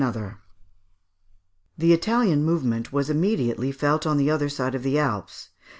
] The Italian movement was immediately felt on the other side of the Alps.